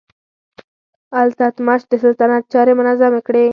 التتمش د سلطنت چارې منظمې کړې.